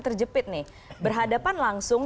terjepit nih berhadapan langsung